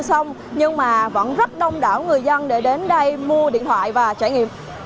xong nhưng mà vẫn rất đông đảo người dân để đến đây mua điện thoại và trải nghiệm